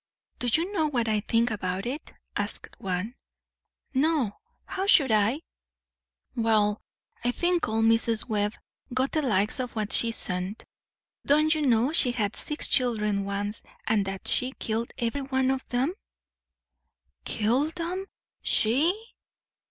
"Do you know what I think about it?" asked one. "Naw! How should I?" "Wall, I think old Mrs. Webb got the likes of what she sent. Don't you know she had six children once, and that she killed every one of them?" "Killed'em she?"